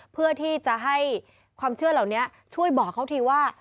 เพื่อที่จะให้ความเชื่อเหล่านี้ช่วยบอกเขาทีว่า